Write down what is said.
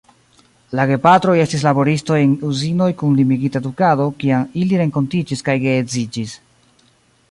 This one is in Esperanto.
La gepatroj estis laboristoj en uzinoj kun limigita edukado, kiam ili renkontiĝis kaj geedziĝis.